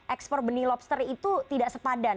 ekspor benih lobster itu tidak sepadan